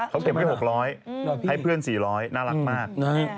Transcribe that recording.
เขาเก็บไว้๖๐๐ให้เพื่อน๔๐๐น่ารักมาก